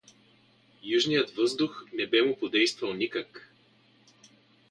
Южният въздух не бе му подействувал никак.